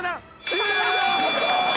終了。